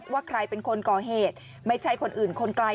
ว่าใครเป็นคนก่อเหตุไม่ใช่คนอื่นคนไกล